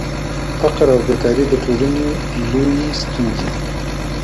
فقر او بېکاري د ټولني لويي ستونزي دي.